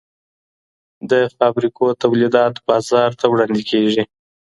د فابریکو تولیدات بازار ته وړاندې کیږي.